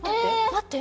待って。